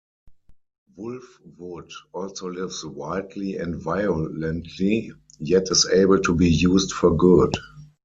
Wolfwood also lives wildly and violently, yet is able to be used for good.